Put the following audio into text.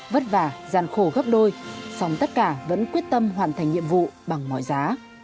vất vả gian khổ gấp đôi song tất cả vẫn quyết tâm hoàn thành nhiệm vụ bằng mọi giá